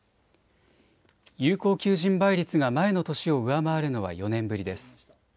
有効求人倍率が前の年を上回るのは４年ぶりです。